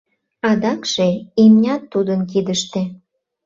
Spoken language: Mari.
Адакше имнят тудын кидыште.